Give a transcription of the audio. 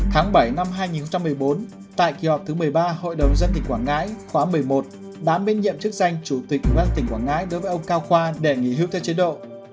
tháng bảy năm hai nghìn một mươi bốn tại kỳ họp thứ một mươi ba hội đồng dân tỉnh quảng ngãi khóa một mươi một đám biên nhiệm chức danh chủ tịch ủy ban dân tỉnh quảng ngãi đối với ông cao khoa đề nghị hữu theo chế độ